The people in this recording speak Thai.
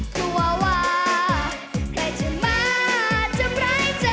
กลัวว่าใครจะมาทำร้ายเธอ